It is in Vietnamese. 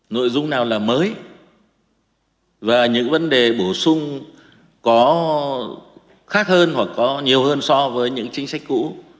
nội dung nào là mới và những vấn đề bổ sung có khác hơn hoặc có nhiều hơn so với những chính sách cũ